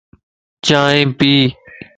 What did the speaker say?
چائين پي